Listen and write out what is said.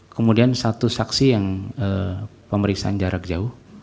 kemudian satu saksi yang pemeriksaan jarak jauh